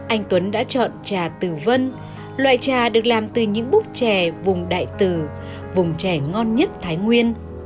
anh tuấn đã chọn trà từ vân loại trà được làm từ những búc trà vùng đại từ vùng trà ngon nhất thái nguyên